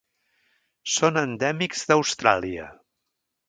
Són endèmics d'Austràlia.